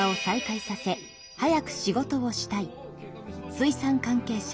水産関係者